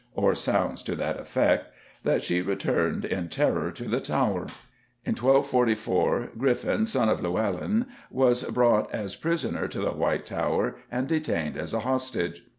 or sounds to that effect, that she returned in terror to the Tower. In 1244 Griffin, son of Llewellyn, was brought as prisoner to the White Tower and detained as a hostage.